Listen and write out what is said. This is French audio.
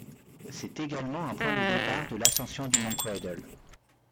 C'est également un point de départ de l'ascension du Mont Cradle.